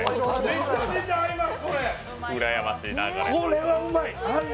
めちゃめちゃ合います。